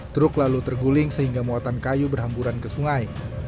truk lalu terguling sehingga muatan kayu berhamburan ke sungai